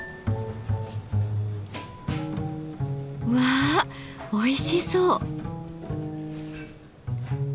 わあおいしそう！